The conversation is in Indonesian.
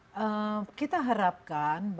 itu akan misalnya hilang dan kemudian ada yang mengambil